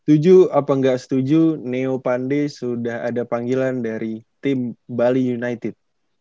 setuju apa nggak setuju neo pande sudah ada panggilan dari tim bali united